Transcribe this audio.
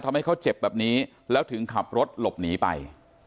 ทำให้เขาเจ็บแบบนี้แล้วถึงขับรถหลบหนีไป